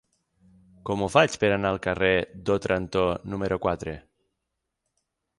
Com ho faig per anar al carrer d'Òtranto número quatre?